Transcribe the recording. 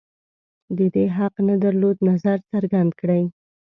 د دې حق نه درلود نظر څرګند کړي